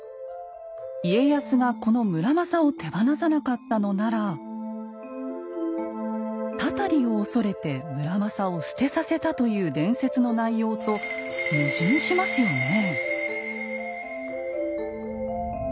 家康がこの村正を手放さなかったのなら祟りを恐れて村正を棄てさせたという伝説の内容と矛盾しますよね。